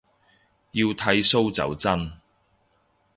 要剃鬚就真